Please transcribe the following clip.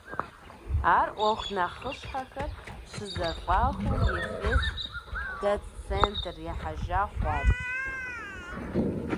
Ар Ӏуэху нэхъыщхьэхэр щызэфӀахыу Эфес дэт центр ехьэжьа хъуат.